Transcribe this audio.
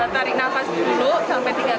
tarik nafas dulu sampai tiga kali